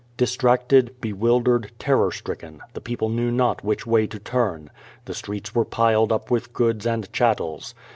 Distracted, bewildered, terror stricken, the people knew not which way to turn. The streets were piled up with goods and chattels.